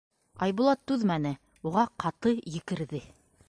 Айбулат түҙмәне, уға ҡаты екерҙе: